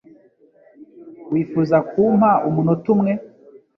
Wifuza kumpa umunota umwe?